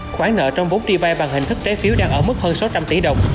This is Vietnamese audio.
khoản nợ trong vốn tri vay bằng hình thức trái phiếu đang ở mức hơn sáu trăm linh tỷ đồng